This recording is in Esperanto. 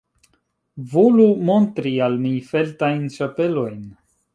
Volu montri al mi feltajn ĉapelojn.